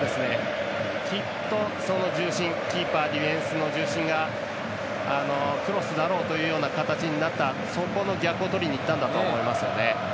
きっと、その重心キーパー、ディフェンスの重心がクロスだろうという形になったそこの逆をとりにいったんだと思いますよね。